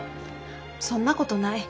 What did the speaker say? そんなことない。